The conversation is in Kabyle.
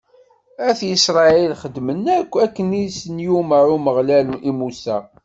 At Isṛayil xedmen ayen akk i s-d-yumeṛ Umeɣlal i Musa.